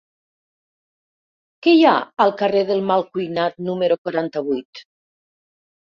Què hi ha al carrer del Malcuinat número quaranta-vuit?